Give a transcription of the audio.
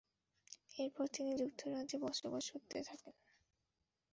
এরপর তিনি যুক্তরাজ্যে বসবাস করতে থাকেন।